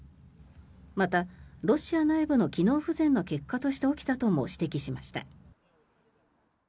また、ロシア内部の機能不全の結果として起きたとも指摘しました。